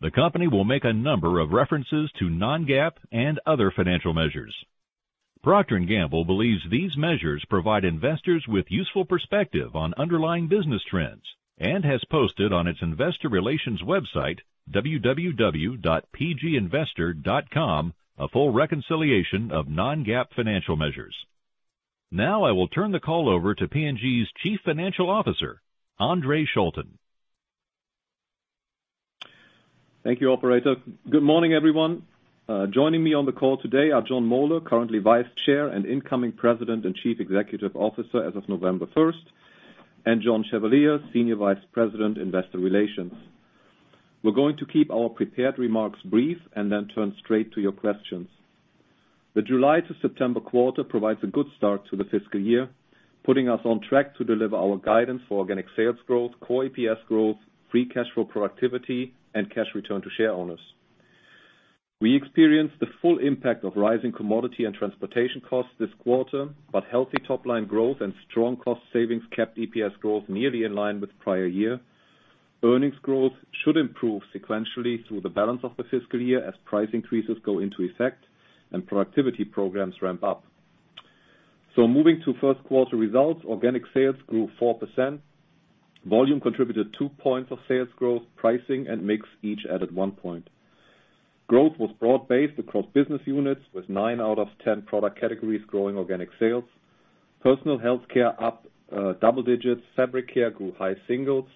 The company will make a number of references to non-GAAP and other financial measures. Procter & Gamble believes these measures provide investors with useful perspective on underlying business trends, and has posted on its investor relations website, www.pginvestor.com, a full reconciliation of non-GAAP financial measures. Now I will turn the call over to P&G's Chief Financial Officer, Andre Schulten. Thank you, operator. Good morning, everyone. Joining me on the call today are Jon Moeller, currently Vice Chair and incoming President and Chief Executive Officer as of 1st November and John Chevalier, Senior Vice President, Investor Relations. We're going to keep our prepared remarks brief and then turn straight to your questions. The July to September quarter provides a good start to the fiscal year, putting us on track to deliver our guidance for organic sales growth, core EPS growth, free cash flow productivity, and cash return to shareowners. We experienced the full impact of rising commodity and transportation costs this quarter, but healthy top-line growth and strong cost savings kept EPS growth nearly in line with prior year. Earnings growth should improve sequentially through the balance of the fiscal year as price increases go into effect and productivity programs ramp up. Moving to first quarter results, organic sales grew 4%. Volume contributed two points of sales growth, pricing, and mix each added one point. Growth was broad-based across business units with nine out of 10 product categories growing organic sales. Personal Healthcare up double digits. Fabric Care grew high singles.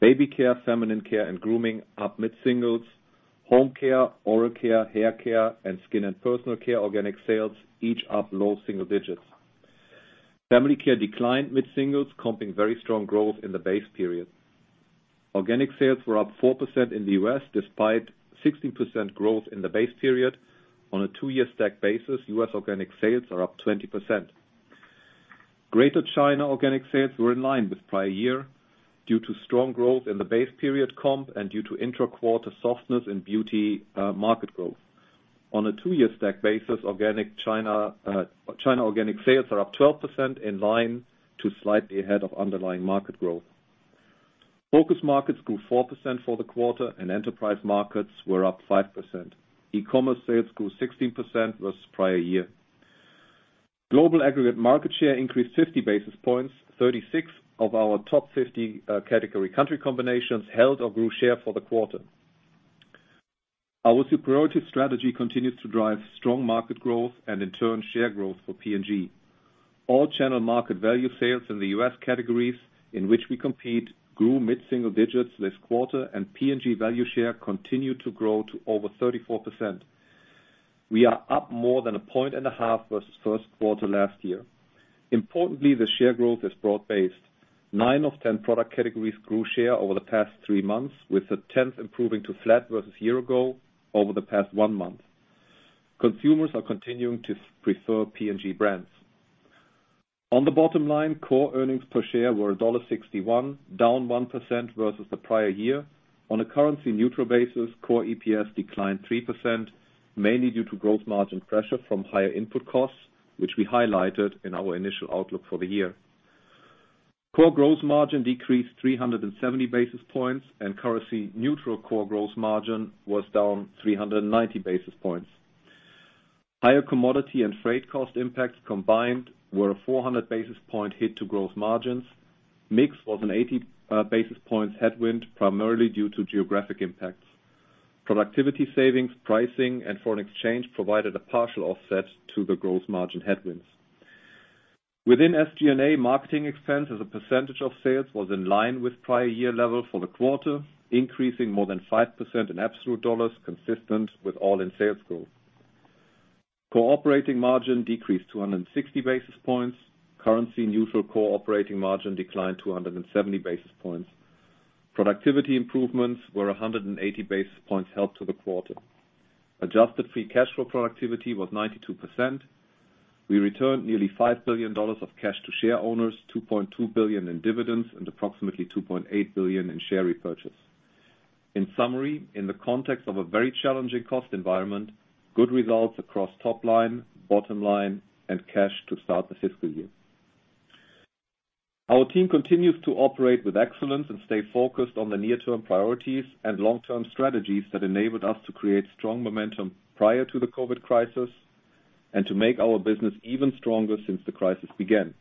Baby Care, Feminine Care, and Grooming up mid-singles. Home Care, Oral Care, Hair Care, and Skin and Personal Care organic sales each up low single digits. Family Care declined mid-singles, comping very strong growth in the base period. Organic sales were up 4% in the U.S., despite 16% growth in the base period. On a two year stack basis, U.S. organic sales are up 20%. Greater China organic sales were in line with prior year due to strong growth in the base period comp and due to intra-quarter softness in beauty market growth. On a two-year stack basis, China organic sales are up 12%, in line to slightly ahead of underlying market growth. Focus markets grew 4% for the quarter, and enterprise markets were up 5%. E-commerce sales grew 16% versus prior year. Global aggregate market share increased 50 basis points. 36 of our top 50 category country combinations held or grew share for the quarter. Our superiority strategy continues to drive strong market growth and, in turn, share growth for P&G. All channel market value sales in the U.S. categories in which we compete grew mid-single digits this quarter, and P&G value share continued to grow to over 34%. We are up more than 1.5 points versus first quarter last year. Importantly, the share growth is broad-based. Nine of 10 product categories grew share over the past three months, with the tenth improving to flat versus a year ago over the past one month. Consumers are continuing to prefer P&G brands. On the bottom line, core earnings per share were $1.61, down 1% versus the prior year. On a currency-neutral basis, core EPS declined 3%, mainly due to gross margin pressure from higher input costs, which we highlighted in our initial outlook for the year. Core gross margin decreased 370 basis points, and currency-neutral core gross margin was down 390 basis points. Higher commodity and freight cost impacts combined were a 400 basis point hit to gross margins. Mix was an 80 basis points headwind, primarily due to geographic impacts. Productivity savings, pricing, and foreign exchange provided a partial offset to the gross margin headwinds. Within SG&A, marketing expense as a percentage of sales was in line with prior year level for the quarter, increasing more than 5% in absolute dollars, consistent with all-in sales growth. Core operating margin decreased 260 basis points. Currency-neutral core operating margin declined 270 basis points. Productivity improvements were 180 basis points help to the quarter. Adjusted free cash flow productivity was 92%. We returned nearly $5 billion of cash to shareowners, $2.2 billion in dividends, and approximately $2.8 billion in share repurchase. In summary, in the context of a very challenging cost environment, good results across top line, bottom line, and cash to start the fiscal year. Our team continues to operate with excellence and stay focused on the near-term priorities and long-term strategies that enabled us to create strong momentum prior to the COVID crisis and to make our business even stronger since the crisis began.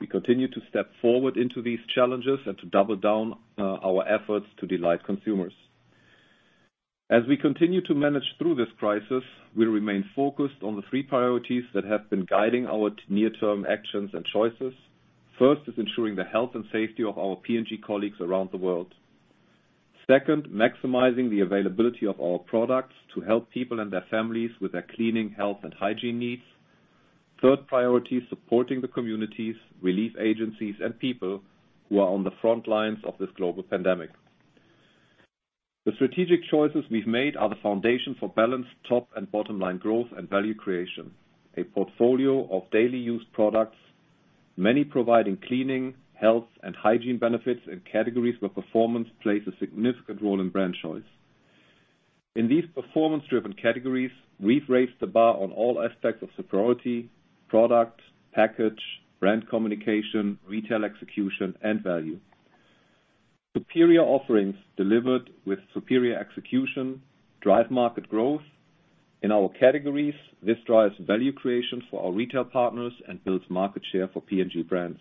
We continue to step forward into these challenges and to double down our efforts to delight consumers. As we continue to manage through this crisis, we remain focused on the three priorities that have been guiding our near-term actions and choices. First is ensuring the health and safety of our P&G colleagues around the world. Second, maximizing the availability of our products to help people and their families with their cleaning, health, and hygiene needs. Third priority, supporting the communities, relief agencies, and people who are on the front lines of this global pandemic. The strategic choices we've made are the foundation for balanced top and bottom line growth and value creation. A portfolio of daily use products, many providing cleaning, health, and hygiene benefits in categories where performance plays a significant role in brand choice. In these performance-driven categories, we've raised the bar on all aspects of superiority, product, package, brand communication, retail execution, and value. Superior offerings delivered with superior execution drive market growth. In our categories, this drives value creation for our retail partners and builds market share for P&G brands.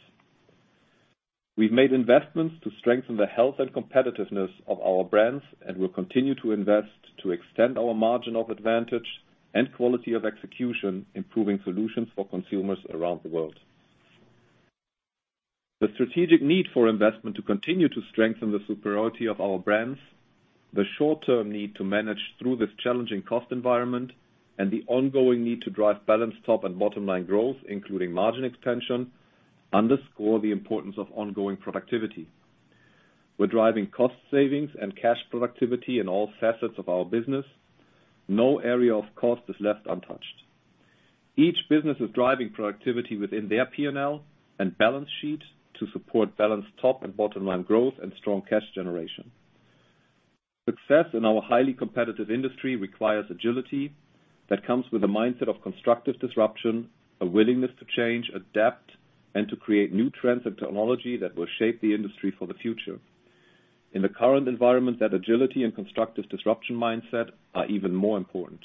We've made investments to strengthen the health and competitiveness of our brands, and will continue to invest to extend our margin of advantage and quality of execution, improving solutions for consumers around the world. The strategic need for investment to continue to strengthen the superiority of our brands, the short-term need to manage through this challenging cost environment, and the ongoing need to drive balanced top and bottom line growth, including margin expansion, underscore the importance of ongoing productivity. We're driving cost savings and cash productivity in all facets of our business. No area of cost is left untouched. Each business is driving productivity within their P&L and balance sheet to support balanced top and bottom line growth and strong cash generation. Success in our highly competitive industry requires agility that comes with a mindset of constructive disruption, a willingness to change, adapt, and to create new trends and technology that will shape the industry for the future. In the current environment, that agility and constructive disruption mindset are even more important.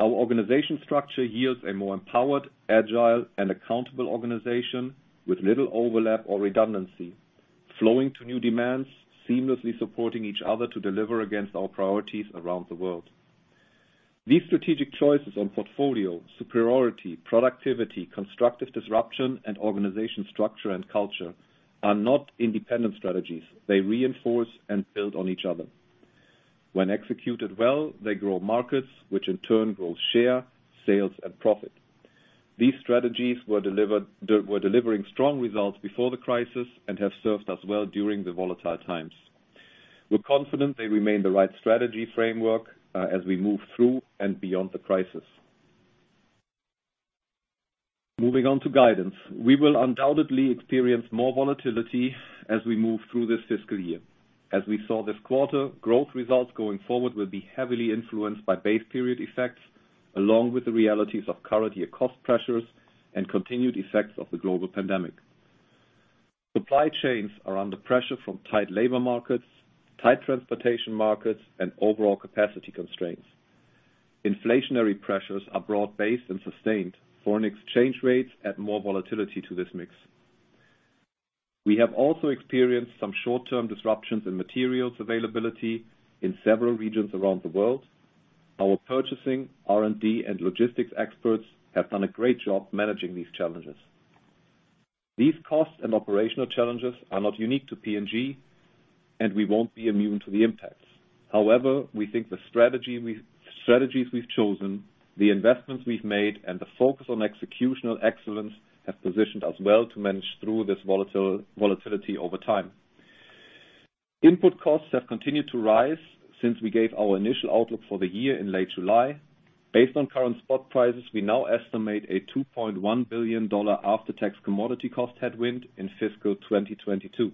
Our organization structure yields a more empowered, agile, and accountable organization with little overlap or redundancy, flowing to new demands, seamlessly supporting each other to deliver against our priorities around the world. These strategic choices on portfolio, superiority, productivity, constructive disruption, and organization structure and culture are not independent strategies. They reinforce and build on each other. When executed well, they grow markets, which in turn grow share, sales, and profit. These strategies were delivering strong results before the crisis and have served us well during the volatile times. We're confident they remain the right strategy framework, as we move through and beyond the crisis. Moving on to guidance. We will undoubtedly experience more volatility as we move through this fiscal year. As we saw this quarter, growth results going forward will be heavily influenced by base period effects, along with the realities of current year cost pressures and continued effects of the global pandemic. Supply chains are under pressure from tight labor markets, tight transportation markets, and overall capacity constraints. Inflationary pressures are broad-based and sustained. Foreign exchange rates add more volatility to this mix. We have also experienced some short-term disruptions in materials availability in several regions around the world. Our purchasing, R&D, and logistics experts have done a great job managing these challenges. These costs and operational challenges are not unique to P&G. We won't be immune to the impacts. However, we think the strategies we've chosen, the investments we've made, and the focus on executional excellence have positioned us well to manage through this volatility over time. Input costs have continued to rise since we gave our initial outlook for the year in late July. Based on current spot prices, we now estimate a $2.1 billion after-tax commodity cost headwind in fiscal 2022.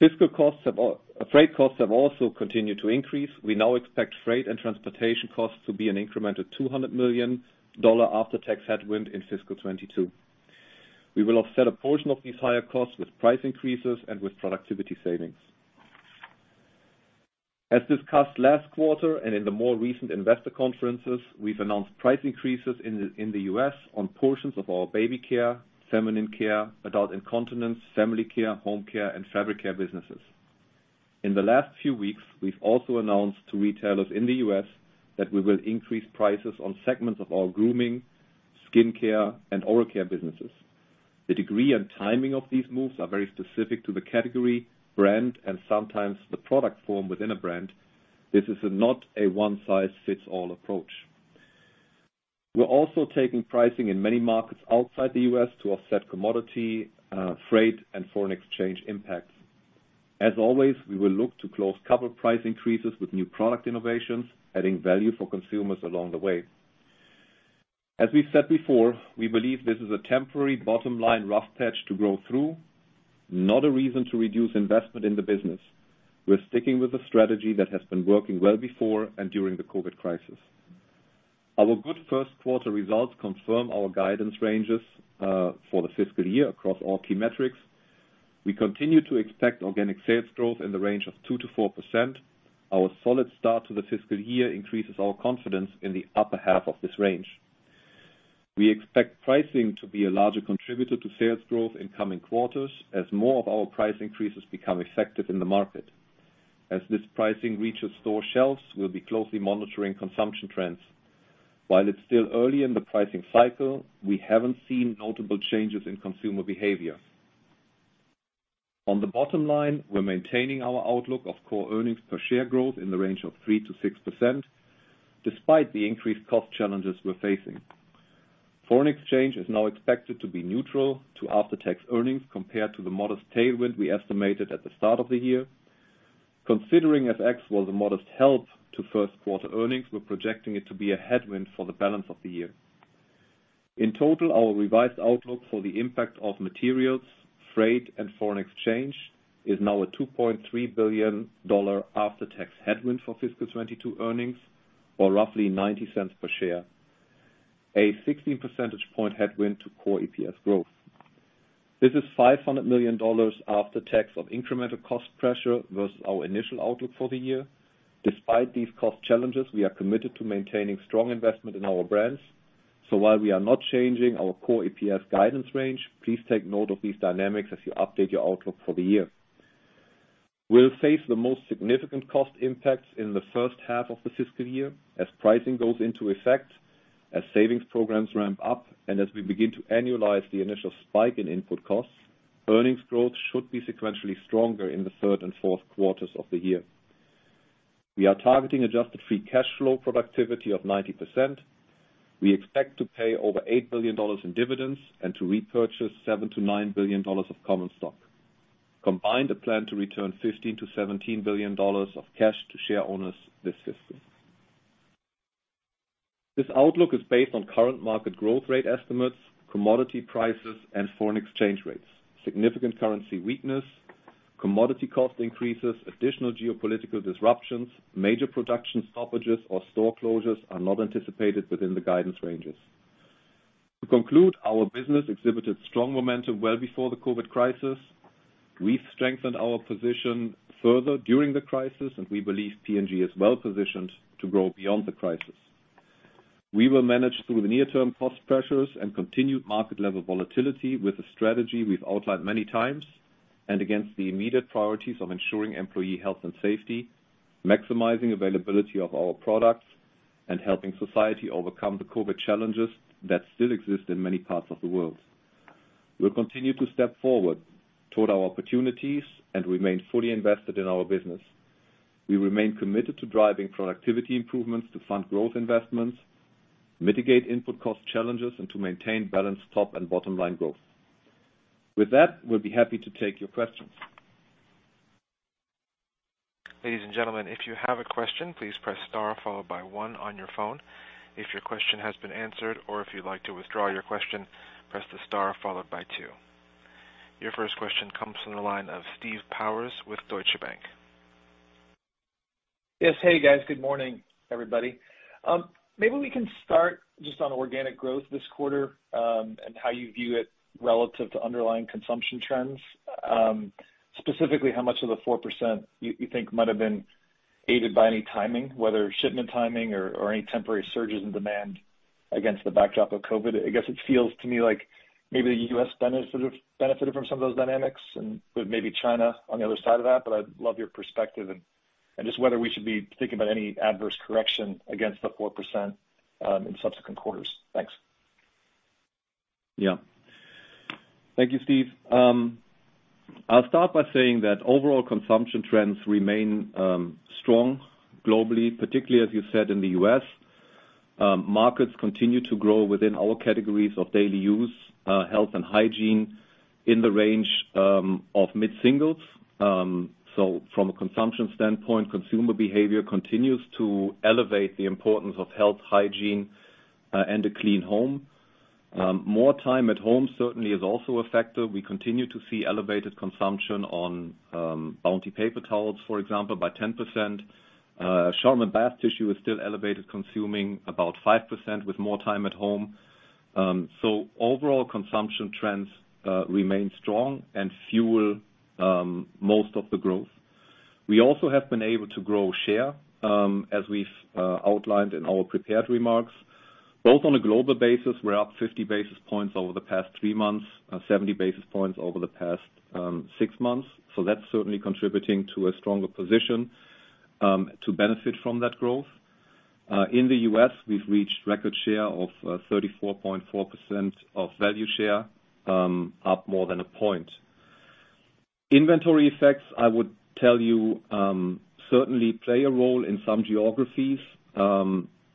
Freight costs have also continued to increase. We now expect freight and transportation costs to be an incremental $200 million after-tax headwind in fiscal 2022. We will offset a portion of these higher costs with price increases and with productivity savings. As discussed last quarter and in the more recent investor conferences, we've announced price increases in the U.S. on portions of our baby care, feminine care, adult incontinence, family care, home care, and fabric care businesses. In the last few weeks, we've also announced to retailers in the U.S. that we will increase prices on segments of our grooming, skin care, and oral care businesses. The degree and timing of these moves are very specific to the category, brand, and sometimes the product form within a brand. This is not a one size fits all approach. We're also taking pricing in many markets outside the U.S. to offset commodity, freight, and foreign exchange impacts. As always, we will look to closely couple price increases with new product innovations, adding value for consumers along the way. As we've said before, we believe this is a temporary bottom-line rough patch to grow through, not a reason to reduce investment in the business. We're sticking with a strategy that has been working well before and during the COVID crisis. Our good first quarter results confirm our guidance ranges, for the fiscal year across all key metrics. We continue to expect organic sales growth in the range of 2%-4%. Our solid start to the fiscal year increases our confidence in the upper half of this range. We expect pricing to be a larger contributor to sales growth in coming quarters as more of our price increases become effective in the market. As this pricing reaches store shelves, we'll be closely monitoring consumption trends. While it's still early in the pricing cycle, we haven't seen notable changes in consumer behavior. On the bottom line, we're maintaining our outlook of core earnings per share growth in the range of 3%-6%, despite the increased cost challenges we're facing. Foreign exchange is now expected to be neutral to after-tax earnings compared to the modest tailwind we estimated at the start of the year. Considering FX was a modest help to first quarter earnings, we're projecting it to be a headwind for the balance of the year. In total, our revised outlook for the impact of materials, freight, and foreign exchange is now a $2.3 billion after-tax headwind for fiscal 2022 earnings, or roughly $0.90 per share. A 16 percentage point headwind to core EPS growth. This is $500 million after tax of incremental cost pressure versus our initial outlook for the year. Despite these cost challenges, we are committed to maintaining strong investment in our brands. While we are not changing our core EPS guidance range, please take note of these dynamics as you update your outlook for the year. We'll face the most significant cost impacts in the first half of the fiscal year as pricing goes into effect, as savings programs ramp up, and as we begin to annualize the initial spike in input costs. Earnings growth should be sequentially stronger in the third and fourth quarters of the year. We are targeting adjusted free cash flow productivity of 90%. We expect to pay over $8 billion in dividends and to repurchase $7 billion-$9 billion of common stock. Combined, a plan to return $15 billion-$17 billion of cash to share owners this fiscal. This outlook is based on current market growth rate estimates, commodity prices, and foreign exchange rates. Significant currency weakness, commodity cost increases, additional geopolitical disruptions, major production stoppages, or store closures are not anticipated within the guidance ranges. To conclude, our business exhibited strong momentum well before the COVID crisis. We've strengthened our position further during the crisis, and we believe P&G is well-positioned to grow beyond the crisis. We will manage through the near-term cost pressures and continued market level volatility with the strategy we've outlined many times, and against the immediate priorities of ensuring employee health and safety, maximizing availability of our products, and helping society overcome the COVID challenges that still exist in many parts of the world. We'll continue to step forward toward our opportunities and remain fully invested in our business. We remain committed to driving productivity improvements to fund growth investments, mitigate input cost challenges, and to maintain balanced top and bottom-line growth. With that, we'll be happy to take your questions. Your first question comes from the line of Steve Powers with Deutsche Bank. Yes. Hey, guys. Good morning, everybody. Maybe we can start just on organic growth this quarter, and how you view it relative to underlying consumption trends. Specifically, how much of the 4% you think might have been aided by any timing, whether shipment timing or any temporary surges in demand against the backdrop of COVID? I guess it feels to me like maybe the U.S. benefited from some of those dynamics and maybe China on the other side of that, but I'd love your perspective and just whether we should be thinking about any adverse correction against the 4% in subsequent quarters. Thanks. Thank you, Steve. I'll start by saying that overall consumption trends remain strong globally, particularly, as you said, in the U.S. Markets continue to grow within our categories of daily use, health and hygiene in the range of mid-singles. From a consumption standpoint, consumer behavior continues to elevate the importance of health, hygiene, and a clean home. More time at home certainly is also a factor. We continue to see elevated consumption on Bounty paper towels, for example, by 10%. Charmin bath tissue is still elevated, consuming about 5% with more time at home. Overall consumption trends remain strong and fuel most of the growth. We also have been able to grow share, as we've outlined in our prepared remarks. Both on a global basis, we're up 50 basis points over the past three months, 70 basis points over the past six months. That's certainly contributing to a stronger position to benefit from that growth. In the U.S., we've reached record share of 34.4% of value share, up more than one point. Inventory effects, I would tell you, certainly play a role in some geographies.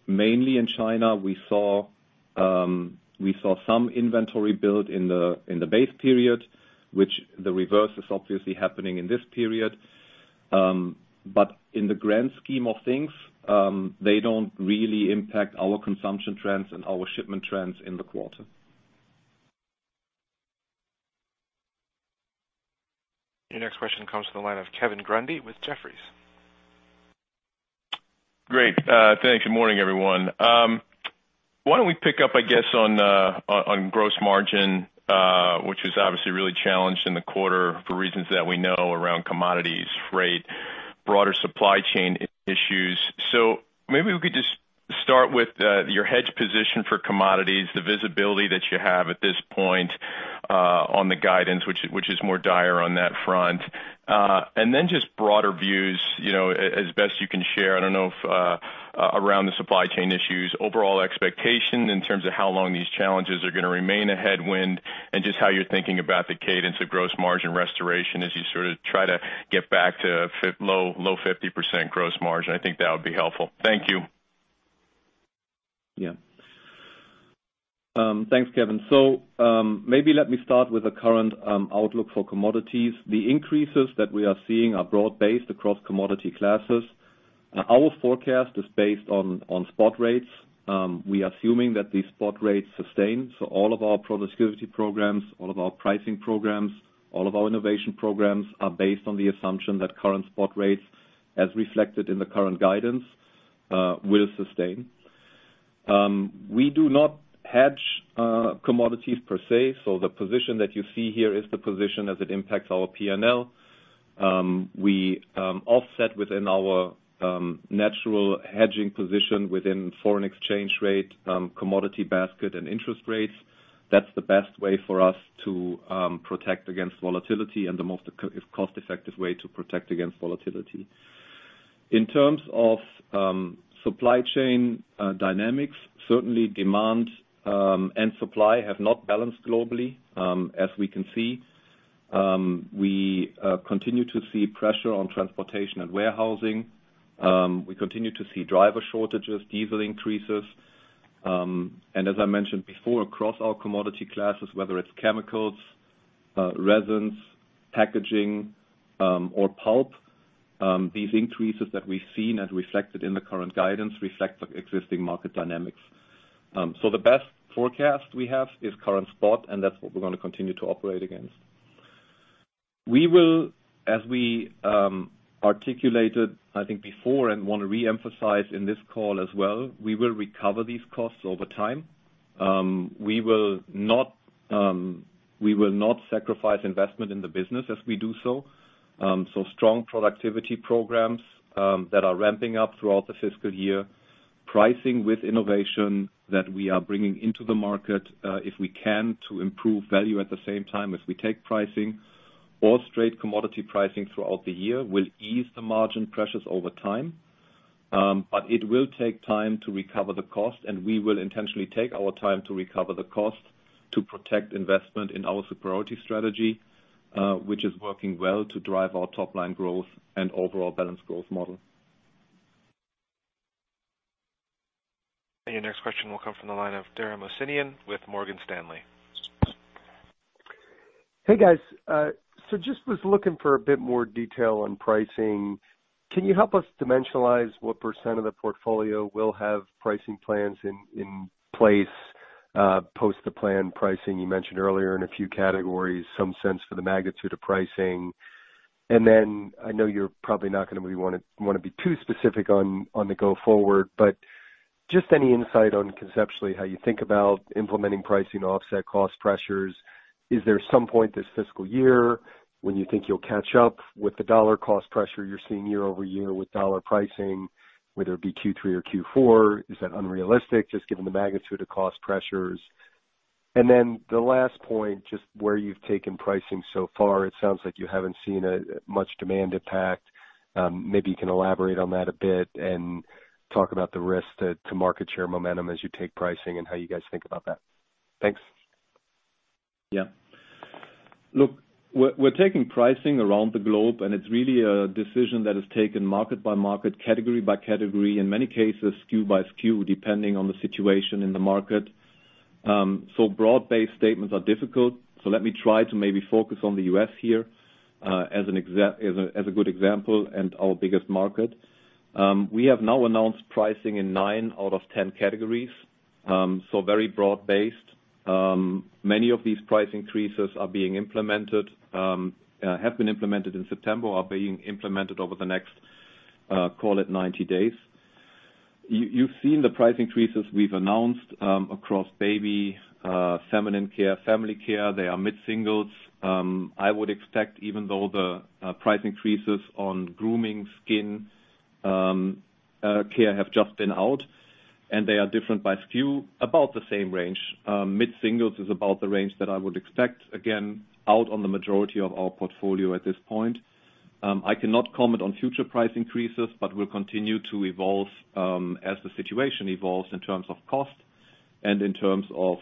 Mainly in China, we saw some inventory build in the base period, which the reverse is obviously happening in this period. In the grand scheme of things, they don't really impact our consumption trends and our shipment trends in the quarter. Your next question comes to the line of Kevin Grundy with Jefferies. Great. Thanks. Good morning, everyone. Why don't we pick up, I guess, on gross margin, which was obviously really challenged in the quarter for reasons that we know around commodities, freight, broader supply chain issues. Maybe we could just start with your hedge position for commodities, the visibility that you have at this point on the guidance, which is more dire on that front. Just broader views, as best you can share. I don't know if around the supply chain issues, overall expectation in terms of how long these challenges are going to remain a headwind, and just how you're thinking about the cadence of gross margin restoration as you sort of try to get back to low 50% gross margin. I think that would be helpful. Thank you. Yeah. Thanks, Kevin. Maybe let me start with the current outlook for commodities. The increases that we are seeing are broad-based across commodity classes. Our forecast is based on spot rates. We are assuming that these spot rates sustain, all of our productivity programs, all of our pricing programs, all of our innovation programs are based on the assumption that current spot rates, as reflected in the current guidance, will sustain. We do not hedge commodities per se, the position that you see here is the position as it impacts our P&L. We offset within our natural hedging position within foreign exchange rate, commodity basket, and interest rates. That's the best way for us to protect against volatility and the most cost-effective way to protect against volatility. In terms of supply chain dynamics, certainly demand and supply have not balanced globally, as we can see. We continue to see pressure on transportation and warehousing. We continue to see driver shortages, diesel increases. As I mentioned before, across our commodity classes, whether it's chemicals, resins, packaging, or pulp, these increases that we've seen as reflected in the current guidance reflect the existing market dynamics. The best forecast we have is current spot, and that's what we're going to continue to operate against. We will, as we articulated, I think, before, and want to re-emphasize in this call as well, we will recover these costs over time. We will not sacrifice investment in the business as we do so. Strong productivity programs that are ramping up throughout the fiscal year, pricing with innovation that we are bringing into the market, if we can, to improve value at the same time as we take pricing or straight commodity pricing throughout the year will ease the margin pressures over time. It will take time to recover the cost, and we will intentionally take our time to recover the cost to protect investment in our superiority strategy, which is working well to drive our top-line growth and overall balanced growth model. Your next question will come from the line of Dara Mohsenian with Morgan Stanley. Hey, guys. Just was looking for a bit more detail on pricing. Can you help us dimensionalize what % of the portfolio will have pricing plans in place post the planned pricing you mentioned earlier in a few categories, some sense for the magnitude of pricing? I know you're probably not going to want to be too specific on the go forward, but just any insight on conceptually how you think about implementing pricing to offset cost pressures. Is there some point this fiscal year when you think you'll catch up with the dollar cost pressure you're seeing year-over-year with dollar pricing, whether it be Q3 or Q4? Is that unrealistic, just given the magnitude of cost pressures? The last point, just where you've taken pricing so far, it sounds like you haven't seen a much demand impact. Maybe you can elaborate on that a bit and talk about the risk to market share momentum as you take pricing and how you guys think about that. Thanks. Yeah. Look, we're taking pricing around the globe, and it's really a decision that is taken market by market, category by category, in many cases, SKU by SKU, depending on the situation in the market. Broad-based statements are difficult. Let me try to maybe focus on the U.S. here as a good example and our biggest market. We have now announced pricing in 9 out of 10 categories, so very broad-based. Many of these price increases have been implemented in September, are being implemented over the next, call it 90 days. You've seen the price increases we've announced across baby, feminine care, family care. They are mid-singles. I would expect even though the price increases on grooming, skin care have just been out, and they are different by SKU, about the same range. Mid-singles is about the range that I would expect, again, out on the majority of our portfolio at this point. I cannot comment on future price increases, but we'll continue to evolve as the situation evolves in terms of cost and in terms of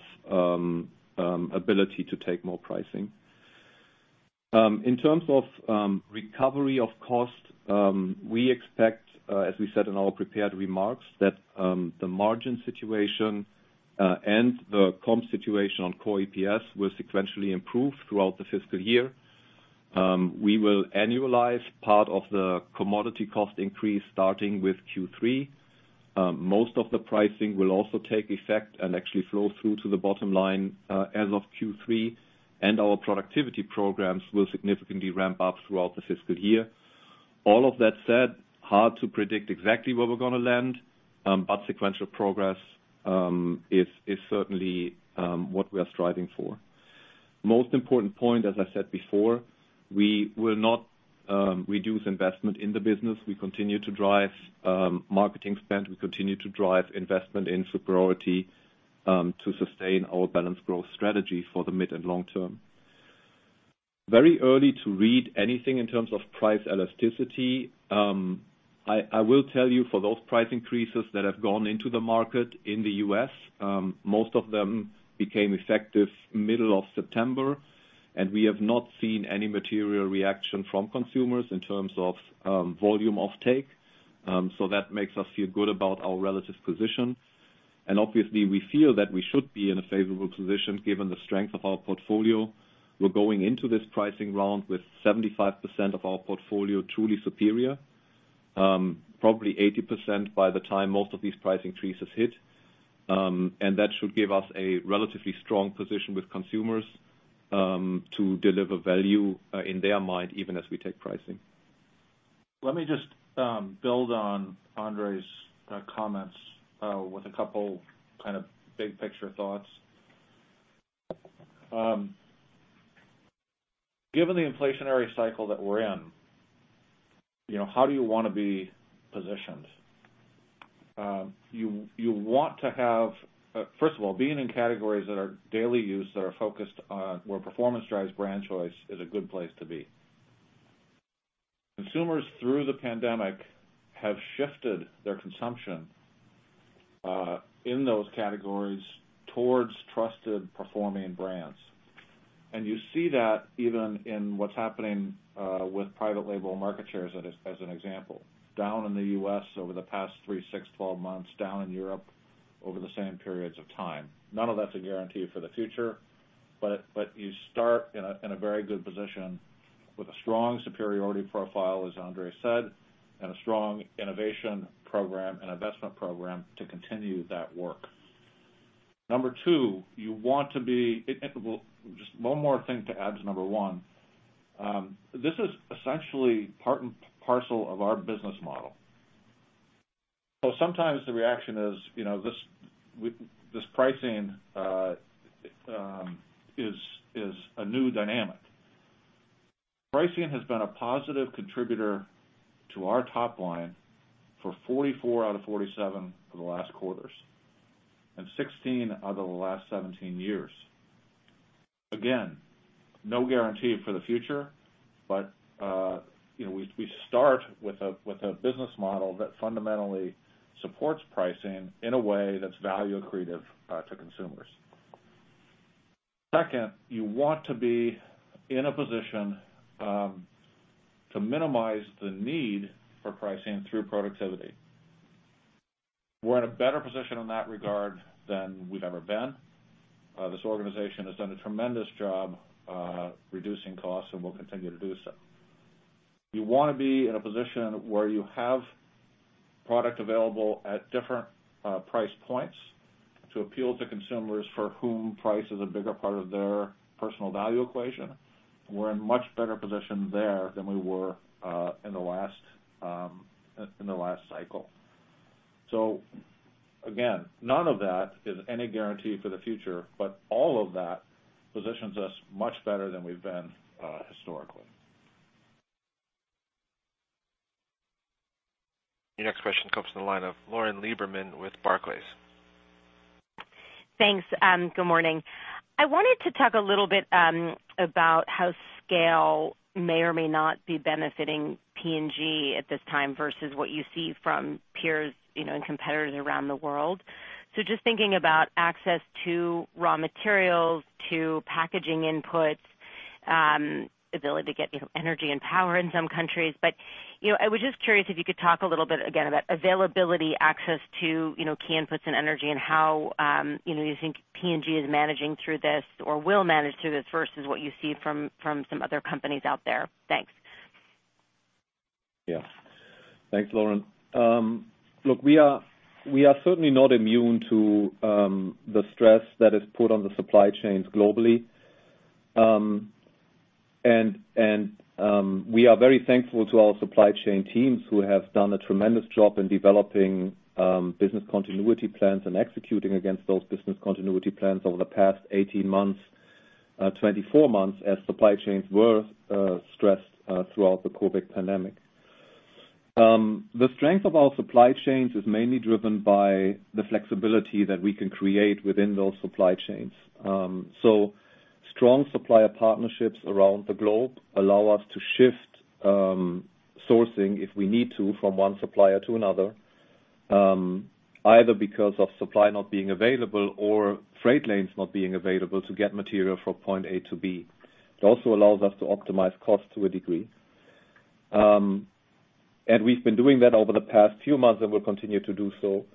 ability to take more pricing. In terms of recovery of cost, we expect, as we said in our prepared remarks, that the margin situation and the comp situation on core EPS will sequentially improve throughout the fiscal year. We will annualize part of the commodity cost increase starting with Q3. Most of the pricing will also take effect and actually flow through to the bottom line as of Q3, and our productivity programs will significantly ramp up throughout the fiscal year. All of that said, hard to predict exactly where we're going to land, but sequential progress is certainly what we are striving for. Most important point, as I said before, we will not reduce investment in the business. We continue to drive marketing spend. We continue to drive investment in superiority to sustain our balanced growth strategy for the mid and long term. Very early to read anything in terms of price elasticity. I will tell you for those price increases that have gone into the market in the U.S., most of them became effective middle of September. We have not seen any material reaction from consumers in terms of volume offtake. That makes us feel good about our relative position. Obviously, we feel that we should be in a favorable position given the strength of our portfolio. We're going into this pricing round with 75% of our portfolio truly superior, probably 80% by the time most of these pricing increases hit. That should give us a relatively strong position with consumers to deliver value in their mind, even as we take pricing. Let me just build on Andre's comments with a couple kind of big picture thoughts. Given the inflationary cycle that we're in, how do you want to be positioned? First of all, being in categories that are daily use, that are focused on where performance drives brand choice is a good place to be. Consumers, through the pandemic, have shifted their consumption in those categories towards trusted performing brands. You see that even in what's happening with private label market shares as an example, down in the U.S. over the past three, six, 12 months, down in Europe over the same periods of time. None of that's a guarantee for the future, but you start in a very good position with a strong superiority profile, as Andre said, and a strong innovation program and investment program to continue that work. Number two, just one more thing to add to number one. This is essentially part and parcel of our business model. Sometimes the reaction is, this pricing is a new dynamic. Pricing has been a positive contributor to our top line for 44 out of 47 of the last quarters, and 16 out of the last 17 years. Again, no guarantee for the future, but we start with a business model that fundamentally supports pricing in a way that's value accretive to consumers. Second, you want to be in a position to minimize the need for pricing through productivity. We're in a better position in that regard than we've ever been. This organization has done a tremendous job reducing costs, and we'll continue to do so. You want to be in a position where you have product available at different price points to appeal to consumers for whom price is a bigger part of their personal value equation. We're in much better position there than we were in the last cycle. Again, none of that is any guarantee for the future, but all of that positions us much better than we've been historically. Your next question comes from the line of Lauren Lieberman with Barclays. Thanks. Good morning. I wanted to talk a little bit about how scale may or may not be benefiting P&G at this time versus what you see from peers and competitors around the world. Just thinking about access to raw materials, to packaging inputs, ability to get energy and power in some countries. I was just curious if you could talk a little bit again about availability, access to key inputs and energy, and how you think P&G is managing through this or will manage through this versus what you see from some other companies out there. Thanks. Yeah. Thanks, Lauren. Look, we are certainly not immune to the stress that is put on the supply chains globally. We are very thankful to our supply chain teams who have done a tremendous job in developing business continuity plans and executing against those business continuity plans over the past 18 months, 24 months as supply chains were stressed throughout the COVID pandemic. The strength of our supply chains is mainly driven by the flexibility that we can create within those supply chains. Strong supplier partnerships around the globe allow us to shift sourcing if we need to from one supplier to another, either because of supply not being available or freight lanes not being available to get material from point A to B. It also allows us to optimize cost to a degree. We've been doing that over the past few months and will continue to do so.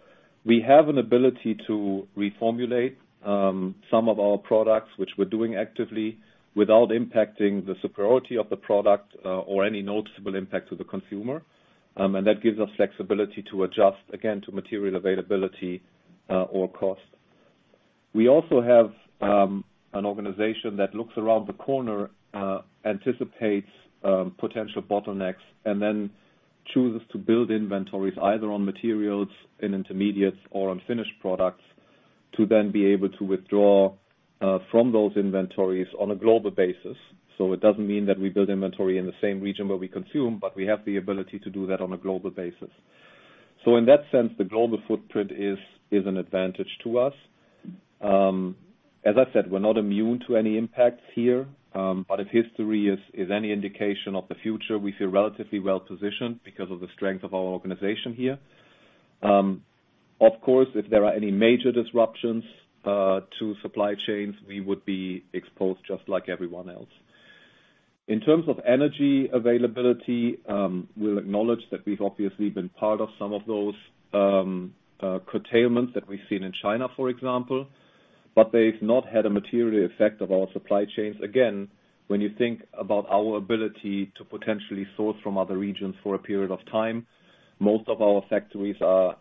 We have an ability to reformulate some of our products, which we're doing actively, without impacting the superiority of the product or any noticeable impact to the consumer. That gives us flexibility to adjust, again, to material availability or cost. We also have an organization that looks around the corner, anticipates potential bottlenecks, and then chooses to build inventories either on materials, in intermediates, or on finished products to then be able to withdraw from those inventories on a global basis. It doesn't mean that we build inventory in the same region where we consume, but we have the ability to do that on a global basis. In that sense, the global footprint is an advantage to us. As I said, we're not immune to any impacts here. If history is any indication of the future, we feel relatively well-positioned because of the strength of our organization here. Of course, if there are any major disruptions to supply chains, we would be exposed just like everyone else. In terms of energy availability, we'll acknowledge that we've obviously been part of some of those curtailments that we've seen in China, for example, but they've not had a material effect of our supply chains. Again, when you think about our ability to potentially source from other regions for a period of time, most of our factories are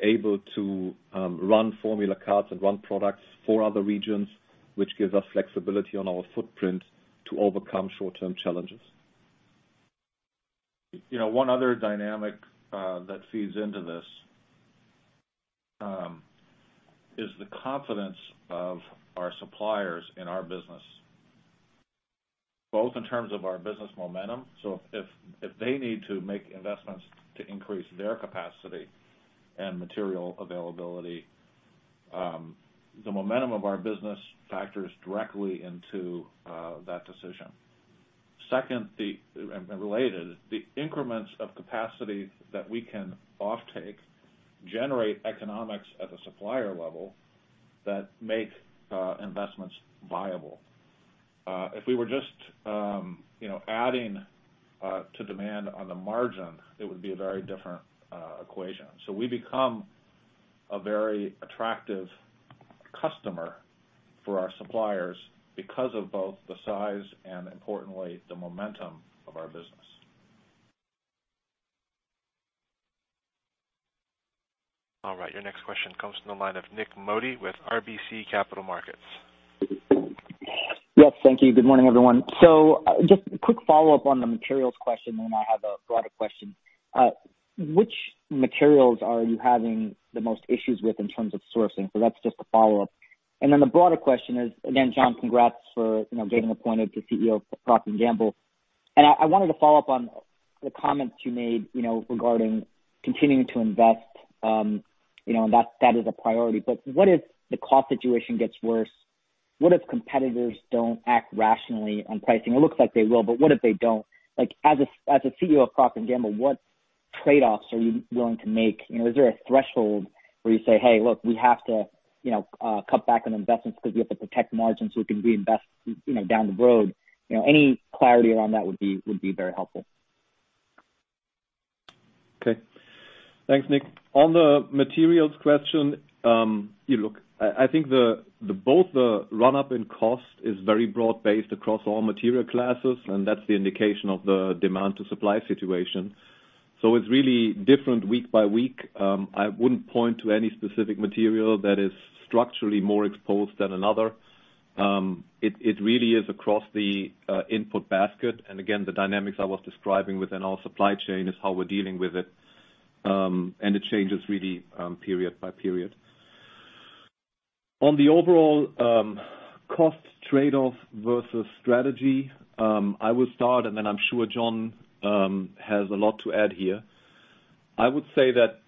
able to run formula cards and run products for other regions, which gives us flexibility on our footprint to overcome short-term challenges. One other dynamic that feeds into this is the confidence of our suppliers in our business, both in terms of our business momentum. If they need to make investments to increase their capacity and material availability, the momentum of our business factors directly into that decision. Second, and related, the increments of capacity that we can offtake generate economics at the supplier level that make investments viable. If we were just adding to demand on the margin, it would be a very different equation. We become a very attractive customer for our suppliers because of both the size and importantly, the momentum of our business. All right, your next question comes from the line of Nik Modi with RBC Capital Markets. Yes. Thank you. Good morning, everyone. Just a quick follow-up on the materials question, then I have a broader question. Which materials are you having the most issues with in terms of sourcing? That's just a follow-up. The broader question is, again, Jon, congrats for getting appointed to CEO of Procter & Gamble. I wanted to follow up on the comments you made regarding continuing to invest, and that is a priority. What if the cost situation gets worse? What if competitors don't act rationally on pricing? It looks like they will, but what if they don't? As a CEO of Procter & Gamble, what trade-offs are you willing to make? Is there a threshold where you say, "Hey, look, we have to cut back on investments because we have to protect margins so we can reinvest down the road." Any clarity around that would be very helpful. Okay. Thanks, Nik. On the materials question, I think both the run-up in cost is very broad-based across all material classes. That's the indication of the demand to supply situation. It's really different week by week. I wouldn't point to any specific material that is structurally more exposed than another. It really is across the input basket. Again, the dynamics I was describing within our supply chain is how we're dealing with it. It changes really period by period. On the overall cost trade-off versus strategy, I will start. I'm sure Jon has a lot to add here. I would say that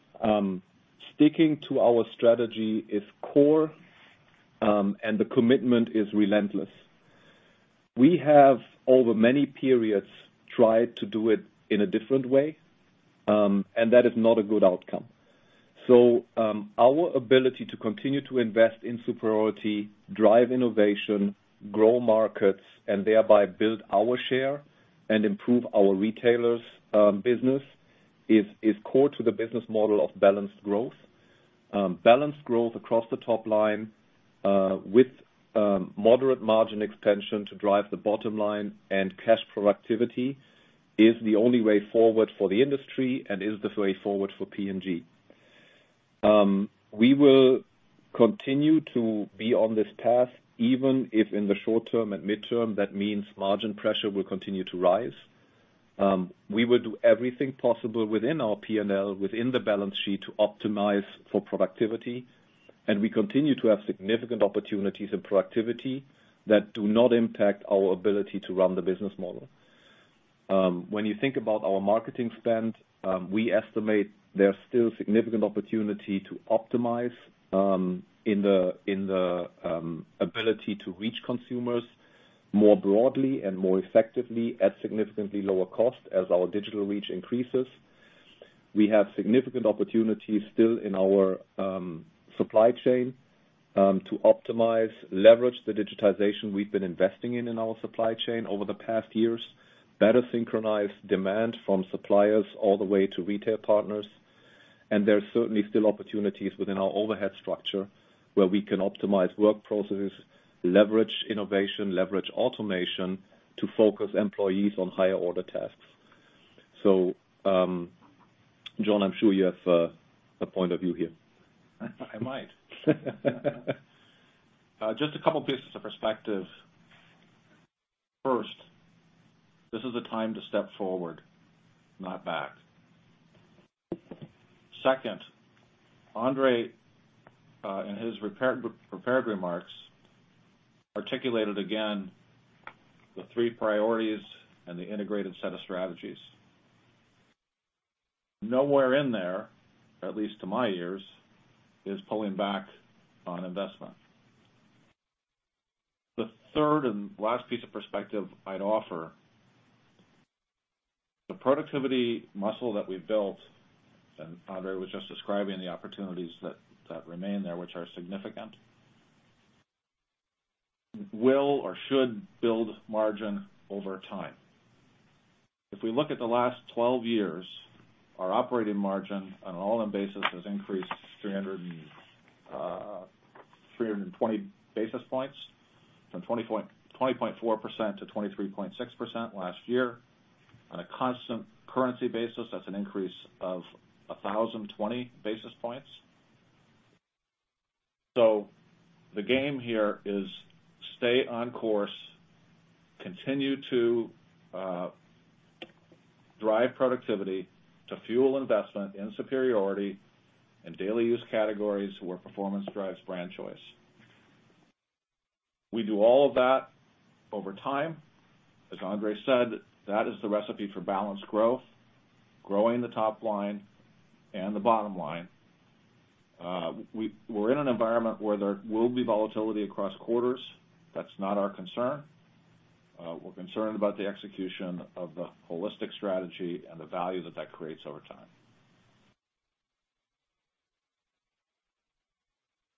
sticking to our strategy is core. The commitment is relentless. We have, over many periods, tried to do it in a different way. That is not a good outcome. Our ability to continue to invest in superiority, drive innovation, grow markets, and thereby build our share and improve our retailers' business is core to the business model of balanced growth. Balanced growth across the top line with moderate margin expansion to drive the bottom line and cash productivity is the only way forward for the industry and is the way forward for P&G. We will continue to be on this path, even if in the short term and midterm, that means margin pressure will continue to rise. We will do everything possible within our P&L, within the balance sheet to optimize for productivity, and we continue to have significant opportunities in productivity that do not impact our ability to run the business model. When you think about our marketing spend, we estimate there's still significant opportunity to optimize in the ability to reach consumers more broadly and more effectively at significantly lower cost as our digital reach increases. We have significant opportunities still in our supply chain to optimize, leverage the digitization we've been investing in in our supply chain over the past years, better synchronize demand from suppliers all the way to retail partners. There are certainly still opportunities within our overhead structure where we can optimize work processes, leverage innovation, leverage automation to focus employees on higher order tasks. Jon, I'm sure you have a point of view here. I might. Just a couple pieces of perspective. First, this is a time to step forward, not back. Second, Andre, in his prepared remarks, articulated again the three priorities and the integrated set of strategies. Nowhere in there, at least to my ears, is pulling back on investment. The third and last piece of perspective I'd offer. The productivity muscle that we've built, and Andre was just describing the opportunities that remain there, which are significant, will or should build margin over time. If we look at the last 12 years, our operating margin on an all-in basis has increased 320 basis points from 20.4% to 23.6% last year. On a constant currency basis, that's an increase of 1,020 basis points. The game here is stay on course, continue to drive productivity to fuel investment in superiority in daily use categories where performance drives brand choice. We do all of that over time. As Andre Schulten said, that is the recipe for balanced growth, growing the top line and the bottom line. We're in an environment where there will be volatility across quarters. That's not our concern. We're concerned about the execution of the holistic strategy and the value that that creates over time.